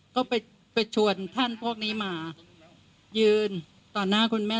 ก็ไปชวนท่านพวกนี้มายืนต่อหน้าคุณแม่